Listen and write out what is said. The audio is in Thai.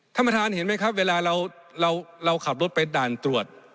ท่านประธานเห็นไหมครับเวลาเราขับรถไปด่านตรวจ